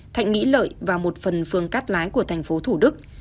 thạnh mỹ lợi và một phần phường cắt lái của thành phố thủ đức